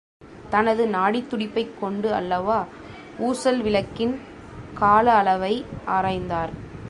தனது நாடித் துடிப்பைக் கொண்டு அல்லவா ஊசல் விளக்கின் கால அளவை ஆராய்ந்தார்!